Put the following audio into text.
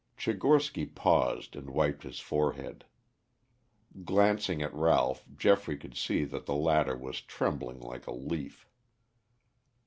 Tchigorsky paused and wiped his forehead. Glancing at Ralph, Geoffrey could see that the latter was trembling like a leaf.